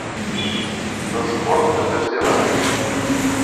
No suporta les gelades.